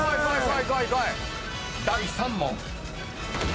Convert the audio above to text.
［第３問］